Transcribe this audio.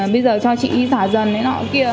bây giờ cho chị giả dần đấy nọ kia